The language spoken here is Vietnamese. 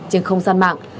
trên không gian mạng